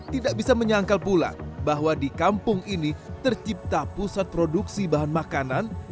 tidak bisa menyangkal pula bahwa di kampung ini tercipta pusat produksi bahan makanan